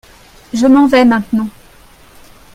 Je m'en vais maintenant.